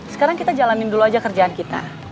sekarang kita jalanin dulu aja kerjaan kita